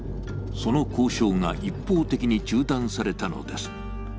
その交渉が一方的に中断されたのです。